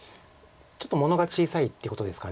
ちょっと物が小さいってことですか。